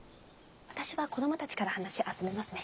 私は子供たちから話集めますね。